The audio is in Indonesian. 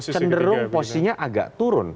cenderung posisinya agak turun